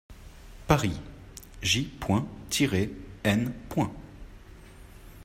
Paris, J.-N.